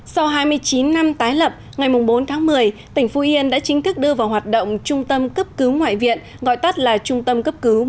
sau hai mươi chín năm tái lập ngày bốn tháng một mươi tỉnh phú yên đã chính thức đưa vào hoạt động trung tâm cấp cứu ngoại viện gọi tắt là trung tâm cấp cứu một trăm một mươi năm